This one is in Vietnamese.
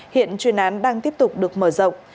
hiện truyền án đang tiếp tục được mở rộng